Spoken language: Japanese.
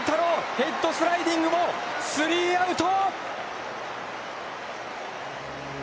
ヘッドスライディングもスリーアウト！